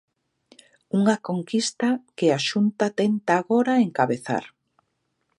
Unha conquista que a Xunta tenta agora encabezar.